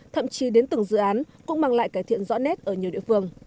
thậm chí đến từng dự án cũng mang lại cải thiện rõ nét ở nhiều địa phương